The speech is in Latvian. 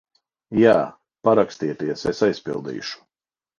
Jā. Parakstieties, es aizpildīšu.